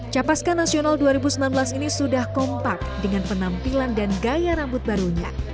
capaska nasional dua ribu sembilan belas ini sudah kompak dengan penampilan dan gaya rambut barunya